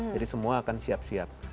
jadi semua akan siap siap